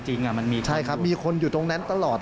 ใช่ครับมีคนอยู่ตรงนั้นตลอด